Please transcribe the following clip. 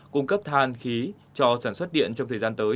cung cấp than khí cho sản xuất điện trong thời gian tới